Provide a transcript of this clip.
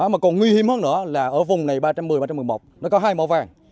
mà còn nguy hiểm hơn nữa là ở vùng này ba trăm một mươi và trăm một mươi một nó có hai mỏ vàng